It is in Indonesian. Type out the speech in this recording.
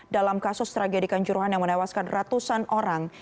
dalam kasus tragedi kanjuruhan yang menewaskan ratusan orang